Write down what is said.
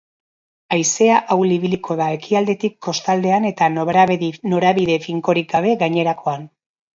Haizea ahul ibiliko da, ekialdetik kostaldean eta norabide finkorik gabe gainerakoan.